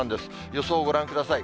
予想をご覧ください。